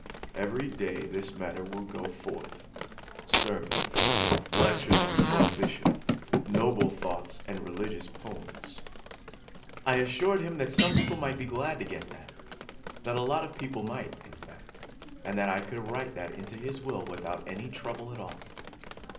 Every day this matter will go forth sermons, lectures on prohibition, noble thoughts and religious poems." I assured him that some people might be glad to get that that a lot of people might, in fact, and that I could write that into his will without any trouble at all.